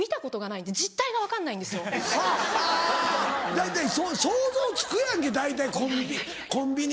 大体想像つくやんけ大体コンビニ。